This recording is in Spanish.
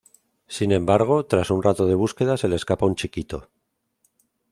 Sin embargo tras un rato de búsqueda se le escapa un "chiquito".